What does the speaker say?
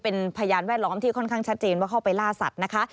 เป็นพยานแวดล้อมที่ค่อนข้างชัดเจนว่าเข้าไปล่าสัตว์นะคะ